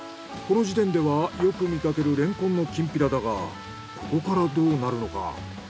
この時点ではよく見かけるレンコンのきんぴらだがここからどうなるのか？